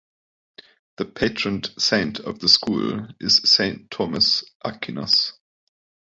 The patron saint of the school is Saint Thomas Aquinas.